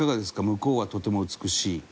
「向こうはとても美しい」。